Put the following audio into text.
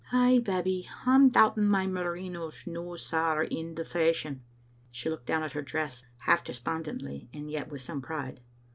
Ay, Babbie, I'm doubting my merino's no sair in the fashion?" She looked down at her dress half despondently, and yet with some pride.